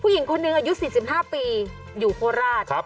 ผู้หญิงคนหนึ่งอายุ๔๕ปีอยู่โคราช